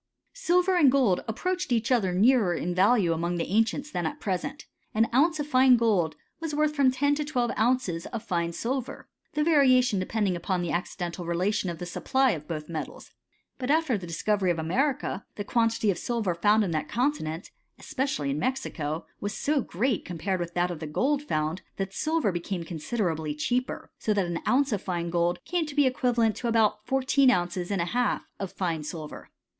Silver and ^old approached each other nearer in value among the ancients than at present : an ouncci of fine gold was worth from ten to twelve ounces of fine silver y the variation depending upon the accidental relation of the supply of both metals. But after the discovery of America, the quantity of silver found in that continent, especially in Mexico, was so gpreat, compared with that of the gold found, that silver became considerably cheaper; so that an ounce of fine gold came to be equivalent to about fourteen ounces and a half of fine silver.